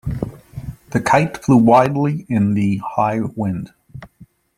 The kite flew wildly in the high wind.